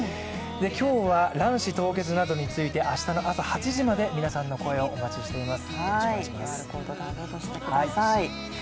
今日は卵子凍結などについて明日の朝８時まで皆さんの声をお待ちしています。